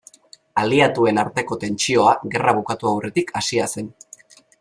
Aliatuen arteko tentsioa gerra bukatu aurretik hasia zen.